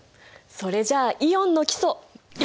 それじゃイオンの基礎いくよ。